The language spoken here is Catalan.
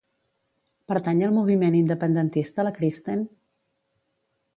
Pertany al moviment independentista la Kristen?